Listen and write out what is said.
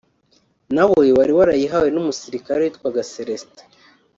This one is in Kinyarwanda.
nawe wari warayihawe n’umusirikare witwaga Céléstin